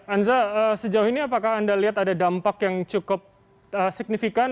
anza sejauh ini apakah anda lihat ada dampak yang cukup signifikan